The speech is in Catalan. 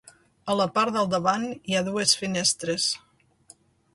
A la part del davant hi ha dues finestres.